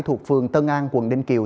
thuộc phường tân an quận đinh kiều